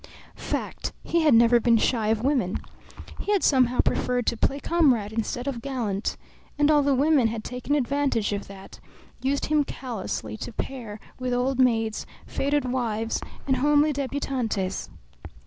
Fact. He had never been shy of women. He had somehow preferred to play comrade instead of gallant; and all the women had taken advantage of that, used him callously to pair with old maids, faded wives, and homely debutantes.